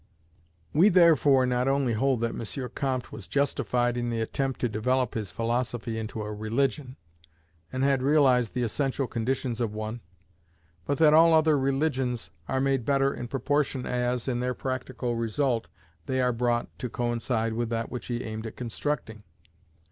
We, therefore, not only hold that M. Comte was justified in the attempt to develope his philosophy into a religion, and had realized the essential conditions of one, but that all other religions are made better in proportion as, in their practical result, they are brought to coincide with that which he aimed at constructing.